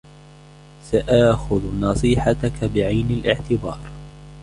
سآخذ نصيحتك بعين الاعتبار.